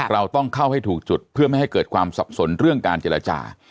เราต้องเข้าให้ถูกจุดเพื่อไม่ให้เกิดความสับสนเรื่องการเจรจา